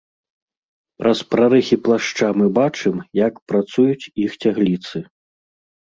Праз прарэхі плашча мы бачым, як працуюць іх цягліцы.